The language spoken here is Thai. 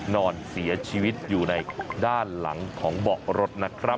นอนเสียชีวิตอยู่ในด้านหลังของเบาะรถนะครับ